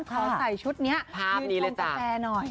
ขอใส่ชุดนี้ยืนชงกาแฟหน่อย